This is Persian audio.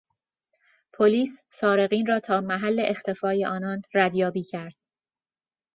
پلیس سارقین را تا محل اختفای آنان ردیابی کرد.